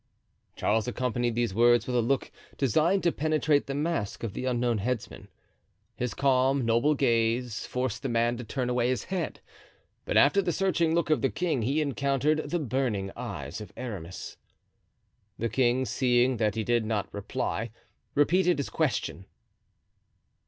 Charles accompanied these words with a look designed to penetrate the mask of the unknown headsman. His calm, noble gaze forced the man to turn away his head. But after the searching look of the king he encountered the burning eyes of Aramis. The king, seeing that he did not reply, repeated his question.